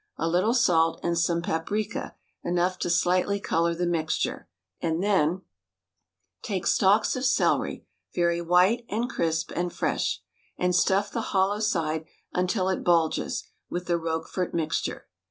A little salt, and some paprika, enough to slightly color the mixture. And then — Take stalks of celery — ^very white and crisp and fresh. And stuff the hollow side, until it bulges, with the Roquefort mixture.